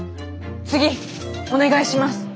次お願いします！